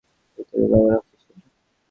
ভিতরে, বাবার অফিসে।